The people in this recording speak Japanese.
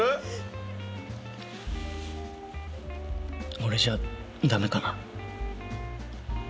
俺じゃダメかな？